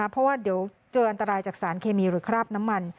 เพราะว่าเดี๋ยวเจออันตรายจากสารเคมีหรือคราบน้ำมัน